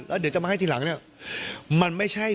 แล้วเดี๋ยวจะมาให้ชื่อทีหลังเนี่ย